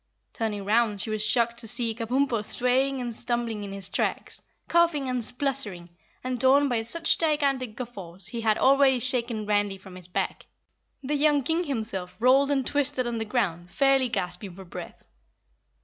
Turning round, she was shocked to see Kabumpo swaying and stumbling in his tracks, coughing and spluttering, and torn by such gigantic guffaws he had already shaken Randy from his back. The young King himself rolled and twisted on the ground, fairly gasping for breath.